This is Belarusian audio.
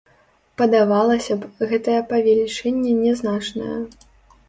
Падавалася б, гэтае павелічэнне нязначнае.